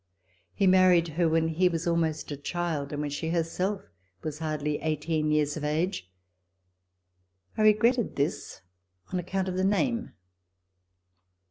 He married her when he was almost a child and when she herself was hardly eighteen years of age. I regretted this on account of the name.